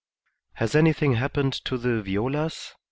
"Has anything happened to the Violas?"